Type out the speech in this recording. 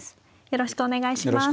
よろしくお願いします。